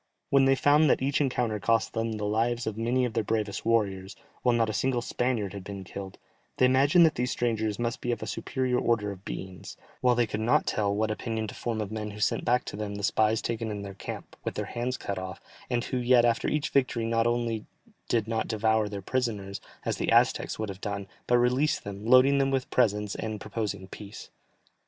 When they found that each encounter cost them the lives of many of their bravest warriors, while not a single Spaniard had been killed, they imagined that these strangers must be of a superior order of beings, while they could not tell what opinion to form of men who sent back to them the spies taken in their camp, with their hands cut off, and who yet after each victory not only did not devour their prisoners, as the Aztecs would have done, but released them, loading them with presents and proposing peace.